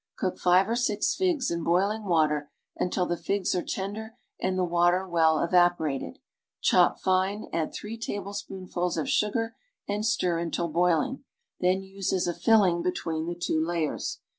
Cook five or six figs in boiling water until the figs are tender and the water well evaporated; chop fine, add three tablespoonfuls of sugar and stir until boiling, then use as a filling between the two layers.